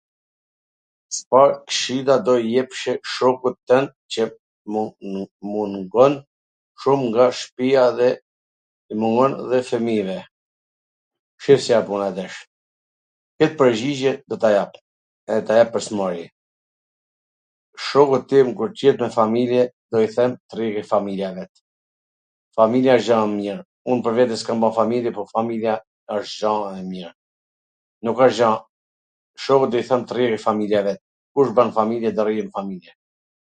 Cfar kshill ado i jepshe shokut twnd qw mungon shum nga shpia dhe mungon dhe fwmive? Shif si a puna tash. Njw pwrgjigje do ta jap. do ta jap pwr s mari. Shokut tim kur t jet nw familje, do i them t rrij ke familja e vet, familja wsht gja e mir, un pwr vete s kam ba familje, po familja wsht gja e mir... nuk asht gja... shokut do i them t rrij ke familja e vet ... kush bwn familje, tw rrij nw familje...